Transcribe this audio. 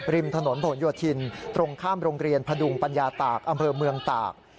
ริมถนนผลโยธินตรงข้ามโรงเรียนพดุงปัญญาตากอำเภอเมืองตาก